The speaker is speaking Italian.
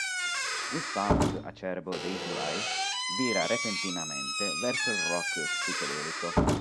Il "sound" acerbo dei July vira repentinamente verso il rock psichedelico.